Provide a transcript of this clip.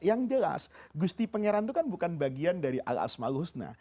yang jelas gusti pengeran itu kan bukan bagian dari al asma'ul husna